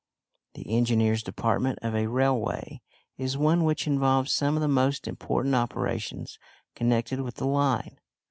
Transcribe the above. The engineer's department of a railway is one which involves some of the most important operations connected with the line.